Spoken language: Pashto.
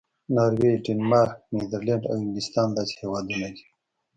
ناروې، ډنمارک، نیدرلینډ او انګلستان داسې هېوادونه دي.